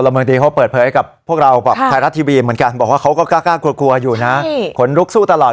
มันมีนิดนึงที่หน้าแบบขนลุกคอยบอกขนลุกตลอด